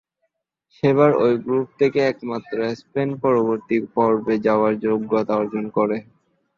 সেবার ঐ গ্রুপ থেকে একমাত্র স্পেন পরবর্তী পর্বে যাবার যোগ্যতা অর্জন করে।